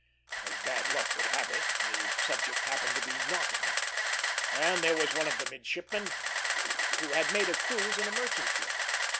As bad luck would have it, the subject happened to be knotting, and there was one of the midshipmen who had made a cruise in a merchant ship.